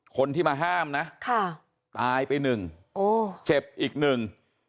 คนที่มาห้ามนะค่ะตายไปหนึ่งโอ้เจ็บอีกหนึ่ง